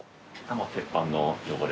鉄板の汚れ。